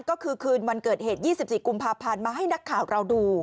ก็คือคืนวันเกิดเหตุ๒๔กุมภาพันธ์มาให้นักข่าวเราดู